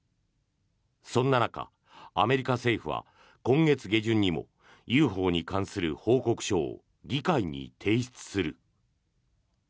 そんな中、アメリカ政府は今月下旬にもＵＦＯに関する報告書を議会に提出する。